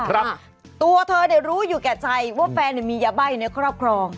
ครับตัวเธอเนี่ยรู้อยู่แก่ใจว่าแฟนเนี่ยมียาบ้าในครอบครอง